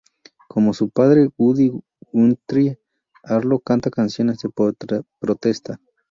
Como su padre, Woody Guthrie, Arlo canta canciones de protesta.